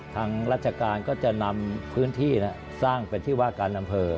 ทางราชการก็จะนำพื้นที่สร้างเป็นที่ว่าการอำเภอ